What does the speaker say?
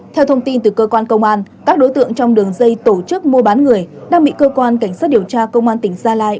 theo thông tin từ cơ quan công an các đối tượng trong đường dây tổ chức mua bán người đang bị cơ quan cảnh sát điều tra công an tỉnh gia lai